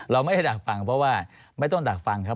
เราไม่ได้ดักฟังเพราะว่าไม่ต้องดักฟังครับ